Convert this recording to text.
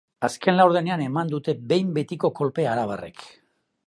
Azken laurdenean eman dute behin betiko kolpea arabarrek.